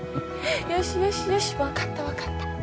よしよしよし分かった分かった